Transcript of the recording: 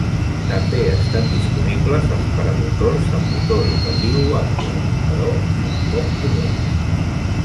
També estan disponibles els paramotors amb motor rotatiu Wankel, però són poc comuns.